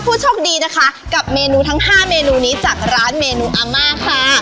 ผู้โชคดีนะคะกับเมนูทั้ง๕เมนูนี้จากร้านเมนูอาม่าค่ะ